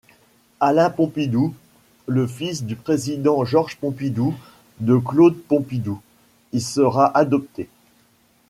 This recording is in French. Alain Pompidou, le fils du président Georges Pompidou de Claude Pompidou, y sera adopté.